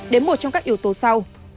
đến một trong các yếu tố sau